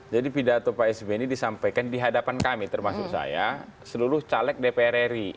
jadi pidato pak sbi ini disampaikan di hadapan kami termasuk saya seluruh caleg dpr ri